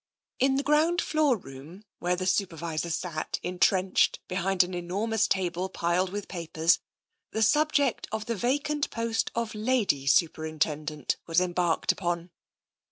In the ground floor room where the Supervisor sat intrenched behind an enormous table piled with papers, the subject of the vacant post of Lady Superintendent was embarked upon.